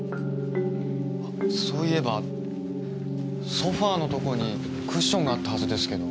そういえばソファのとこにクッションがあったはずですけど。